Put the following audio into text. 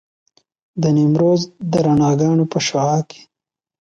د نیمروز د رڼاګانو په شعاع کې.